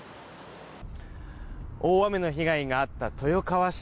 大雨の被害があった豊川市。